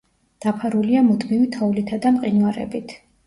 დაფარულია მუდმივი თოვლითა და მყინვარებით.